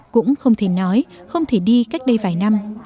cũng không thể nói không thể đi cách đây vài năm